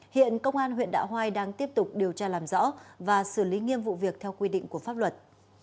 hiện công an huyện đạo hoai đang tiếp tục điều tra làm rõ và xử lý nghiêm vụ việc theo quy định của pháp luật